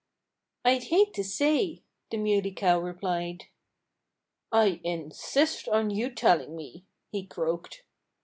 "I'd hate to say," the Muley Cow replied. "I insist on your telling me," he croaked.